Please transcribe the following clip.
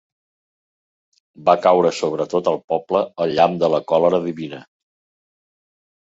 Va caure sobre tot el poble el llamp de la còlera divina.